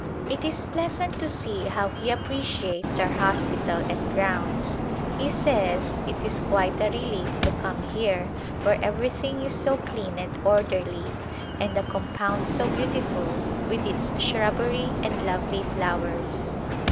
It is pleasant to see how he appreciates our hospital and grounds. He says it is quite a relief to come here I As M Sazo It where everything is so clean and orderly, and the compound so beautiful with its shrubbery and lovely flowers.